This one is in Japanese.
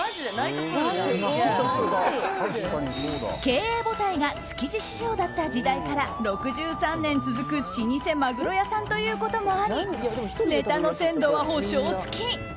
経営母体が築地市場だった時代から６３年続く老舗マグロ屋さんということもありネタの鮮度は保証付き！